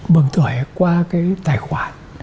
bường thổi qua cái tài khoản